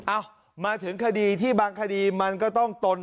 เอ้ามาถึงคดีที่บางคดีมันก็ต้องตน